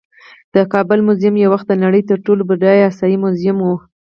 د کابل میوزیم یو وخت د نړۍ تر ټولو بډایه آسیايي میوزیم و